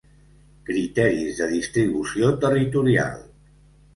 Criteris de distribució territorial.